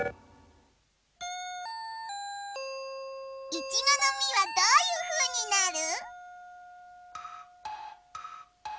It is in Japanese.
イチゴのみはどういうふうになる？